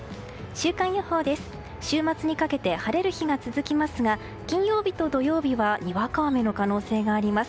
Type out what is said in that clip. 週末にかけて晴れる日が続きますが金曜日と土曜日はにわか雨の可能性があります。